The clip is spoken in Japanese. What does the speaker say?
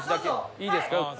いいですか？